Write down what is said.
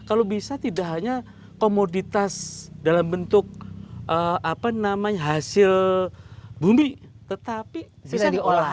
kalau bisa tidak hanya komoditas dalam bentuk hasil bumi tetapi bisa diolah